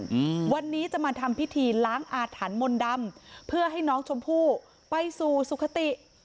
อืมวันนี้จะมาทำพิธีล้างอาถรรพ์มนต์ดำเพื่อให้น้องชมพู่ไปสู่สุขติ